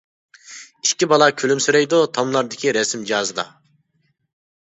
ئىككى بالام كۈلۈمسىرەيدۇ، تاملاردىكى رەسىم جازىدا.